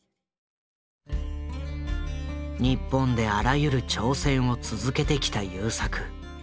日本であらゆる挑戦を続けてきた優作。